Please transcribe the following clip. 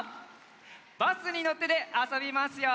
「バスにのって」であそびますよ。